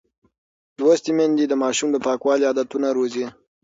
لوستې میندې د ماشوم د پاکوالي عادتونه روزي.